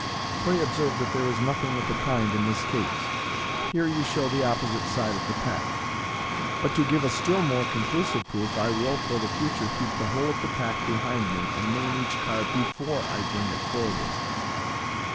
Pray ob serve that there is nothing of the kind in this case " (here you show the opposite side of the pack), "but, to give a still more conclusive proof, I will for the future keep the whole of the pack behind me, and name each card before I bring it forward.